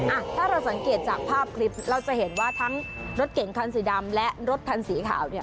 อ่ะถ้าเราสังเกตจากภาพคลิปเราจะเห็นว่าทั้งรถเก่งคันสีดำและรถคันสีขาวเนี่ย